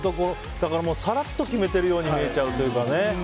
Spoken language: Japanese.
だから、さらっと決めてるように見えちゃうというかね。